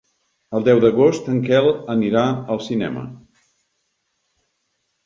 El deu d'agost en Quel anirà al cinema.